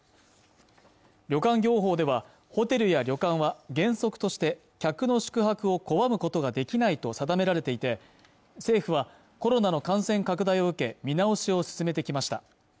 旅館業法ではホテルや旅館は原則として客の宿泊を拒むことができないと定められていて政府はコロナの感染拡大を受け見直しを進めてきました